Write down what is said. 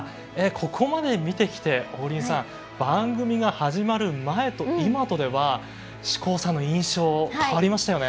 ここまで見てきて王林さん番組が始まる前と今とでは志功さんの印象変わりましたよね？